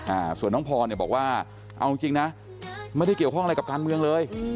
อ่าส่วนน้องพรเนี่ยบอกว่าเอาจริงจริงนะไม่ได้เกี่ยวข้องอะไรกับการเมืองเลยอืม